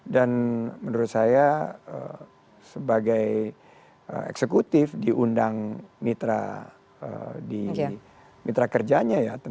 dan menurut saya sebagai eksekutif diundang mitra kita